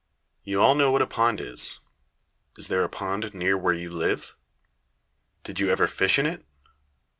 You all know what a pond is. Is there a pond near where you live? Did you ever fish in it?